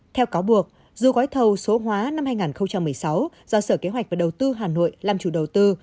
theo cáo buộc dù gói thầu số hóa năm hai nghìn một mươi sáu do sở kế hoạch và đầu tư hà nội làm chủ đầu tư